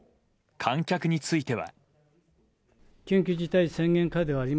観客については。